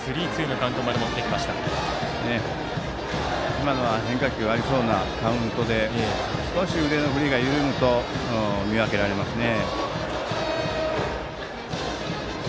今のは変化球ありそうなカウントで少し腕の振りが緩むと見分けられますね。